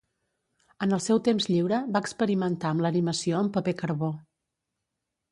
En el seu temps lliure, va experimentar amb l'animació en paper carbó.